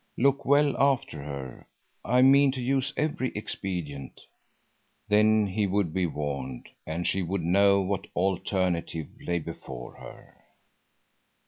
Look well after her. I mean to use every expedient." Then he would be warned, and she would know what alternative lay before her.